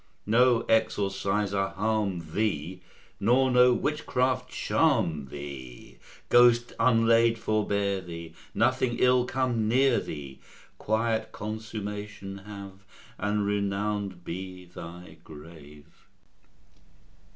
No exorciser harm thee! Nor no witchcraft charm thee! Ghost unlaid forbear thee! Nothing ill come near thee! Quiet consummation have; And renowned be thy grave!